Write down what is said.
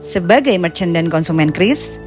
sebagai merchant dan konsumen kris